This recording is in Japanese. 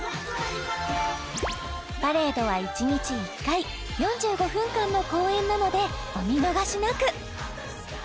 パレードは１日１回４５分間の公演なのでお見逃しなく！